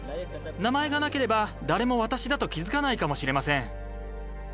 名前がなければ誰も私だと気付かないかもしれません。